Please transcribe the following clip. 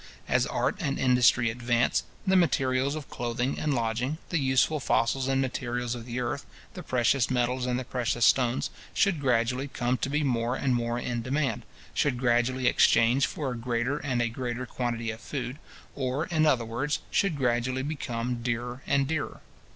As art and industry advance, the materials of clothing and lodging, the useful fossils and materials of the earth, the precious metals and the precious stones, should gradually come to be more and more in demand, should gradually exchange for a greater and a greater quantity of food; or, in other words, should gradually become dearer and dearer.